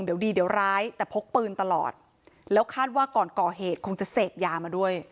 เดี๋ยวดีเดี๋ยวร้ายแต่พกปืนตลอดแล้วคาดว่าก่อนก่อเหตุคงจะเสพยามาด้วย